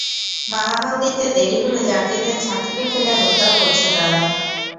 মালামাল দিতে দেরি হলে যাত্রীদের ছাদ থেকে ফেলে হত্যাও করছে তারা।